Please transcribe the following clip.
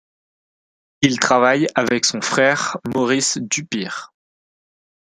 Il travaille avec son frère Maurice Dupire.